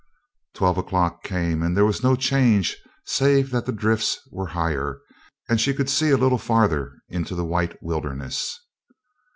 Twelve o'clock came and there was no change save that the drifts were higher and she could see a little farther into the white wilderness.